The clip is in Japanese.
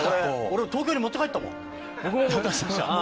俺東京に持って帰ったもん。